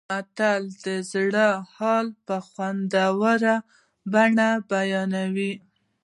متل د زړه حال په خوندوره بڼه بیانوي